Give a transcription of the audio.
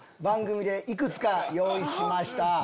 番組でいくつか用意しました。